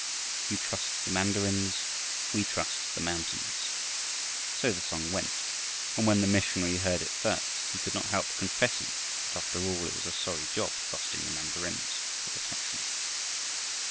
You trust the mandarins, We trust the mountains. So the song went, and when the missionary heard it first he could not help confessing that after all it was a sorry job trusting the mandarins for protection.